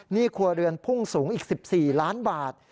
ครัวเรือนพุ่งสูงอีก๑๔ล้านบาท